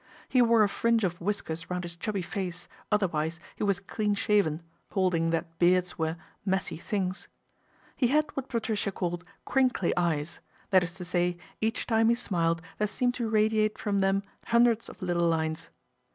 He wore a fringe of whiskers round his chubby face, other wise he was clean shaven, holding that beards were " messy " things. He had what Patricia called " crinkly '' eyes, that is to say each time he smiled there seemed to radiate from them hundreds of little lines.